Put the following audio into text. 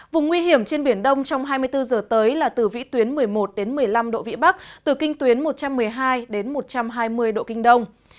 vùng nguy hiểm trên biển đông trong hai mươi bốn h tới là từ vĩ tuyến một mươi một đến một mươi năm độ vĩ bắc từ kinh tuyến một trăm một mươi hai một trăm hai mươi độ kinh đông